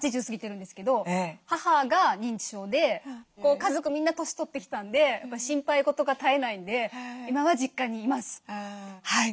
家族みんな年取ってきたんで心配事が絶えないんで今は実家にいます。